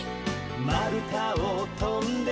「まるたをとんで」